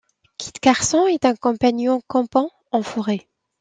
Kit Carson et un compagnon campent en forêt.